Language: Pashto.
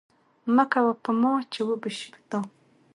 مه کوه په ما، چې وبه سي په تا!